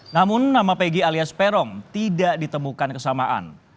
namun nama pegg alias peron tidak ditemukan kesamaan